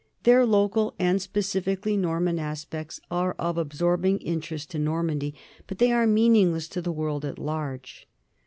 Their local and specifically Norman aspects are of absorbing in terest to Normandy, but they are meaningless to the world at large.